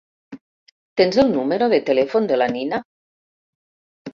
Tens el número de telèfon de la Nina?